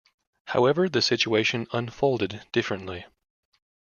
However, the situation unfolded differently.